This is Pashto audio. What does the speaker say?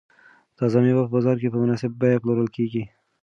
دا تازه مېوې په بازار کې په مناسبه بیه پلورل کیږي.